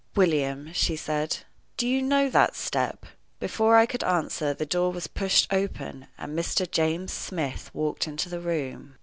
"William," she said, "do you know that step?" Before I could answer the door was pushed open, and Mr. James Smith walked into the room.